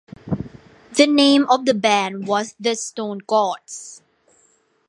The name of the band was The Stone Gods.